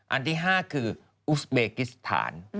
อันที่๕คืออุสเบกิสถาน